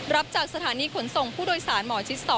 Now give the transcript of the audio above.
รับจากสถานีขนส่งผู้โดยสารหมอชิด๒